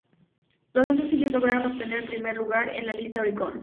Los dos sencillos lograron obtener primer lugar en la lista "Oricon".